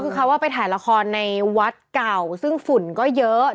คือเขาไปถ่ายละครในวัดเก่าซึ่งฝุ่นก็เยอะ